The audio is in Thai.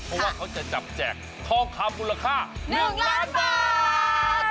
เพราะว่าเขาจะจับแจกทองคำมูลค่า๑ล้านบาท